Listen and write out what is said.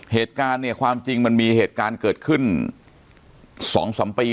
เหตุการณ์มีเกิดขึ้น๒๓ปี